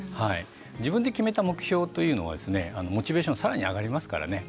自分で決めた目標というのはモチベーションがさらに上がりますからね。